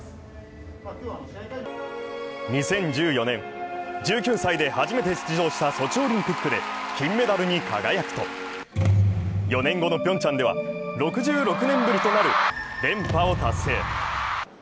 ２０１４年、１９歳で初めて出場したソチオリンピックで金メダルに輝くと、４年後のピョンチャンでは６６年ぶりとなる連覇を達成。